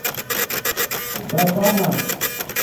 ڈپݳنہ